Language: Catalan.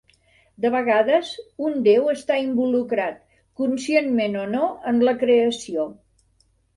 De vegades, un déu està involucrat, conscientment o no, en la creació.